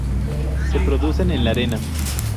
Se producen en la arena.